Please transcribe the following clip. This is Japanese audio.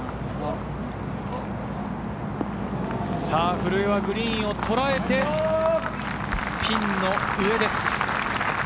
古江はグリーンをとらえてピンの上です。